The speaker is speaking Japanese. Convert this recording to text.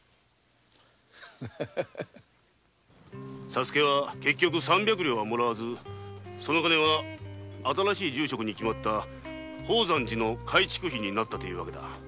佐助は結局三百両をもらわず金は新しい住職が決まった宝山寺の改築費になったという訳だ。